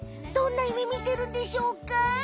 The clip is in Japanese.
どんなゆめみてるんでしょうか？